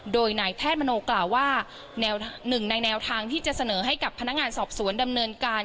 โดยนายแพทย์มโนกล่าวว่าแนวหนึ่งในแนวทางที่จะเสนอให้กับพนักงานสอบสวนดำเนินการ